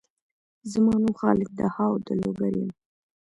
زما نوم خالد دهاو د لوګر یم